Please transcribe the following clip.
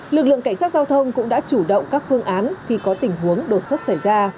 lực lượng cảnh sát giao thông cũng đã chủ động các phương án khi có tình huống đột xuất xảy ra